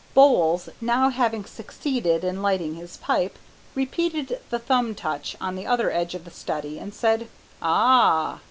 Bowles now having succeeded in lighting his pipe, repeated the thumb touch on the other edge of the study and said, "Ah!"